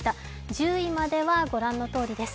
１０位まではご覧のとおりです。